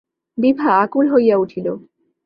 বিভা আকুল হইয়া উঠিল।